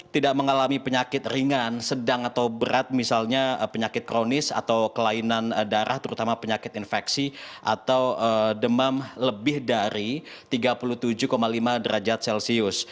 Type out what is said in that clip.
tidak mengalami penyakit ringan sedang atau berat misalnya penyakit kronis atau kelainan darah terutama penyakit infeksi atau demam lebih dari tiga puluh tujuh lima derajat celcius